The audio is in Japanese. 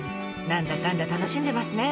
何だかんだ楽しんでますね。